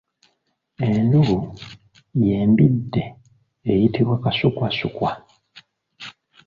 Endu y’embidde eyitibwa Kasukwasukwa.